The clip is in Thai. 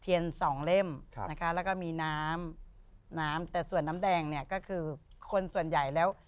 สองเล่มนะคะแล้วก็มีน้ำน้ำแต่ส่วนน้ำแดงเนี่ยก็คือคนส่วนใหญ่แล้ว